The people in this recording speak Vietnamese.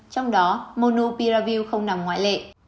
trong đó monupiravir không nằm ngoại lệ